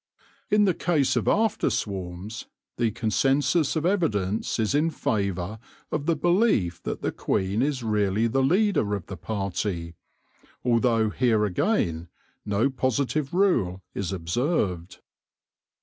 In the case of after swarms, the concensus of evidence is in favour of the belief that the queen is really the leader of the party, although here again no positive rule is observed.